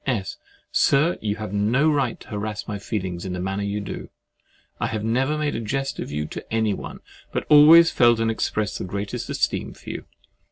S. Sir, you have no right to harass my feelings in the manner you do. I have never made a jest of you to anyone, but always felt and expressed the greatest esteem for you.